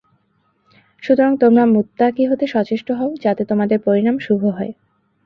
সুতরাং তোমরা মুত্তাকী হতে সচেষ্ট হও যাতে তোমাদের পরিণাম শুভ হয়।